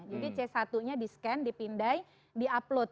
jadi c satu nya di scan dipindai di upload